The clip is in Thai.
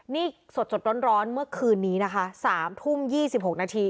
นี่สดสดร้อนร้อนเมื่อคืนนี้นะคะสามทุ่มยี่สิบหกนาที